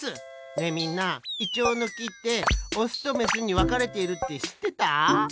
ねえみんなイチョウのきってオスとメスにわかれているってしってた？